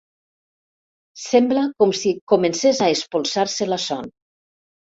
Sembla com si comencés a espolsar-se la son.